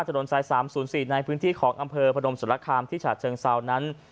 ถนนสาย๓๐๔ในพื้นที่ของอำเภอพนมสุรคามที่ฉาเชิงเซานั้น